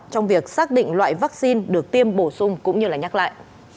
trong việc xác định loại vaccine được tiêm bổ sung cũng như là nhắc lại